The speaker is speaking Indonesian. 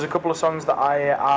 saya telah menulis beberapa lagu